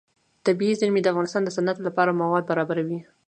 طبیعي زیرمې د افغانستان د صنعت لپاره مواد برابروي.